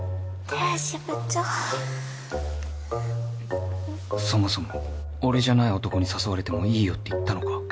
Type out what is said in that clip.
堤司部長そもそも俺じゃない男に誘われても「いいよ」って言ったのか？